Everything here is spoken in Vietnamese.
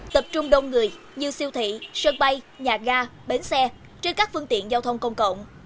tập trung đông người như siêu thị sân bay nhà ga bến xe trên các phương tiện giao thông công cộng